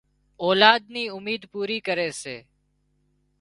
اولاد نِي اميد پوري ڪري سي